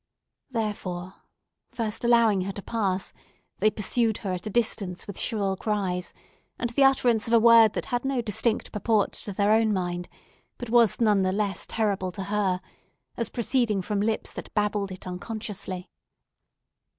Therefore, first allowing her to pass, they pursued her at a distance with shrill cries, and the utterances of a word that had no distinct purport to their own minds, but was none the less terrible to her, as proceeding from lips that babbled it unconsciously.